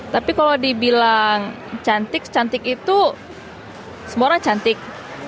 tapi kalau dibilang cantik cantik itu semuanya cantik